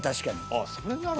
あっそれなら。